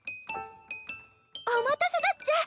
お待たせだっちゃ。